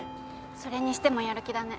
それにしてもやる気だね。